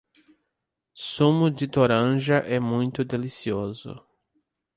Sumo de toranja é muito delicioso